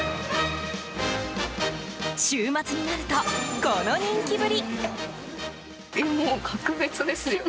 週末になると、この人気ぶり！